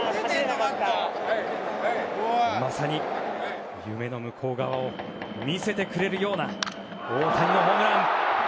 まさに夢の向こう側を見せてくれるような大谷のホームラン。